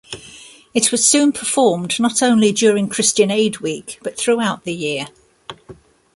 It was soon performed not only during Christian Aid Week but throughout the year.